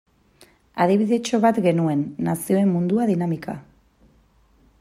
Adibidetxo bat genuen, Nazioen Mundua dinamika.